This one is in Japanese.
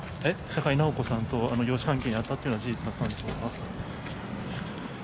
高井直子さんと養子関係にあったというのは事実なんでしょうか？